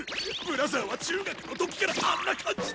ブラザーは中学のときからあんな感じだ！